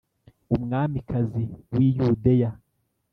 umwamikazi w’iyudeya